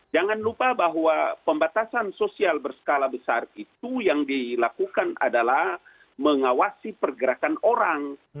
jangan lupa bahwa pembatasan sosial berskala besar itu yang dilakukan adalah mengawasi pergerakan orang